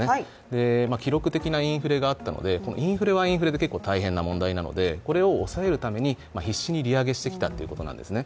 記録的なインフレがあったのでインフレはインフレで結構大変な問題なのでこれを抑えるために必死に利上げしてきたということなんですね。